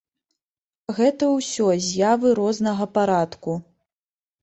Гэта ўсё з'явы рознага парадку.